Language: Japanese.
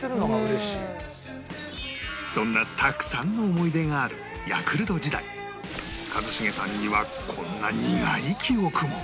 そんなたくさんの思い出があるヤクルト時代一茂さんにはこんな苦い記憶も